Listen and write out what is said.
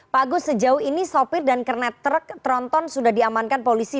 pak agus sejauh ini sopir dan kernet truk tronton sudah diamankan polisi